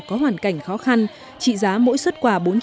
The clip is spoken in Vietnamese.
có hoàn cảnh khó khăn trị giá mỗi xuất quà